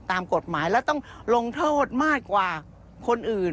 ตามกฎหมายและต้องลงโทษมากกว่าคนอื่น